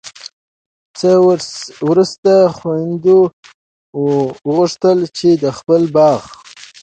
څخه وروسته خویندو وغوښتل چي د خپل باغ